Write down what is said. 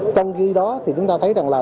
trong khi đó thì chúng ta thấy rằng là